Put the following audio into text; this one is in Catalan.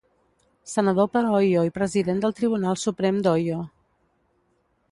Senador per Ohio i President del Tribunal Suprem d'Ohio.